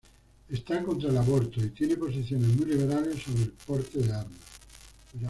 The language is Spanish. Está contra el aborto, y tiene posiciones muy liberales sobre el porte de armas.